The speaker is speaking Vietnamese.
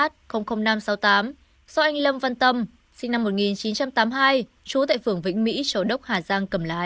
do anh lâm văn tâm sinh năm một nghìn chín trăm tám mươi hai trú tại phường vĩnh mỹ châu đốc hà giang cầm lái